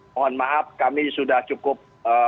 mohon maaf kami sudah cukup